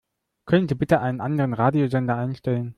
Können Sie bitte einen anderen Radiosender einstellen?